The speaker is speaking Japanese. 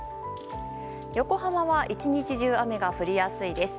横浜は一日中雨が降りやすいです。